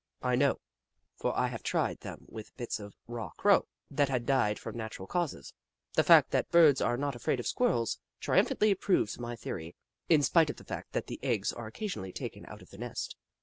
I know, for I have tried them with bits of a raw Crow, that had died from natural causes. The fact that Birds are not afraid of Squirrels triumphantly proves my theory, in spite of the fact that the eggs are occasionally taken out of the nest.